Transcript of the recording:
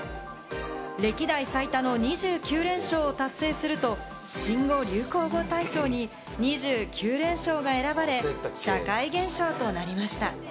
歴代最多の２９連勝を達成すると、新語・流行語大賞に２９連勝が選ばれ、社会現象となりました。